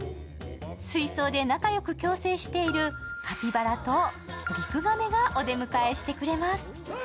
水槽で仲良く共生しているカピバラとリクガメがお出迎えしてくれます。